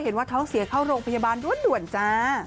เห็นว่าเขาเสียเข้าโรงพยาบาลรวดจะ